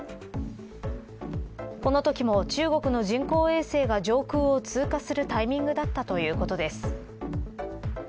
このときも中国の人工衛星が上空を通過するタイミングだったということです。